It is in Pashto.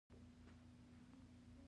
ښځه د خاوند د مال او اولاد ساتونکې ده.